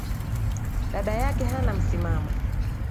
Dada yake hana msimamo